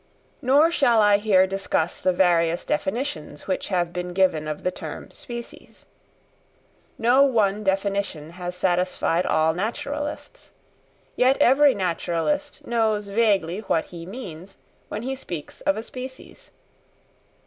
Nor shall I here discuss the various definitions which have been given of the term species. No one definition has satisfied all naturalists; yet every naturalist knows vaguely what he means when he speaks of a species.